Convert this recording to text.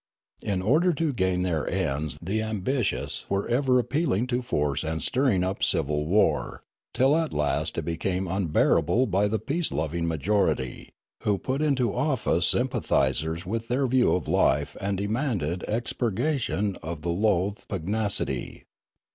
In order to gain their ends the ambi tious were ever appealing to force and stirring up civil war, till at last it became unbearable by the peace loving majority, who put into office sympathisers with Noola 409 their view of life and demanded expurgation of the loathed pugnacity.